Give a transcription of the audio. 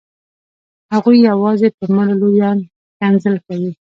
هغوی یوازې په مړو لویان ښکنځل کوي.